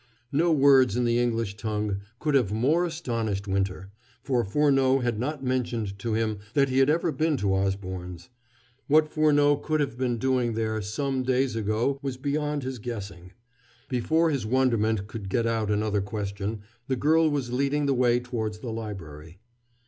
No words in the English tongue could have more astonished Winter, for Furneaux had not mentioned to him that he had even been to Osborne's. What Furneaux could have been doing there "some days ago" was beyond his guessing. Before his wonderment could get out another question, the girl was leading the way towards the library.